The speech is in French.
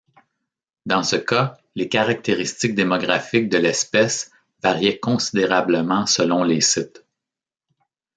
Dans ce cas, les caractéristiques démographiques de l'espèce variaient considérablement selon les sites.